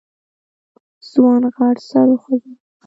ځوان غټ سر وخوځوه.